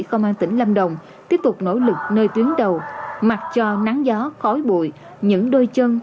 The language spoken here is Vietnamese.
công an tỉnh lâm đồng tiếp tục nỗ lực nơi tuyến đầu mặc cho nắng gió khói bụi những đôi chân